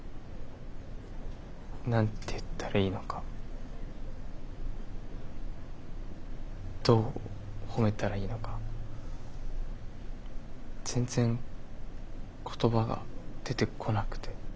何て言ったらいいのかどう褒めたらいいのか全然言葉が出てこなくて。